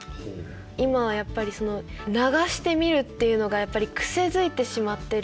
今はやっぱり流して見るっていうのがやっぱり癖づいてしまってる。